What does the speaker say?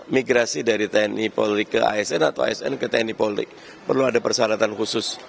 migrasi dari tni polri ke asn atau asn ke tni polri perlu ada persyaratan khusus